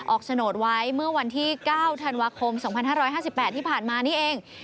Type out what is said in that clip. โฉนดไว้เมื่อวันที่๙ธันวาคม๒๕๕๘ที่ผ่านมานี่เอง